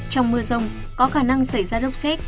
trong mưa rông có khả năng xảy ra lốc xét